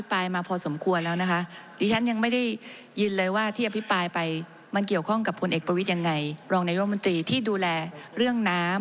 เป็นการอภิปรายนอกประเด็นค่ะ